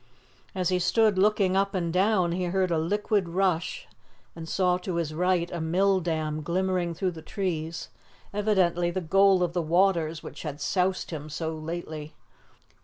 As he stood looking up and down, he heard a liquid rush, and saw to his right a mill dam glimmering through the trees, evidently the goal of the waters which had soused him so lately.